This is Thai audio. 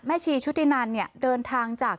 ชีชุตินันเนี่ยเดินทางจาก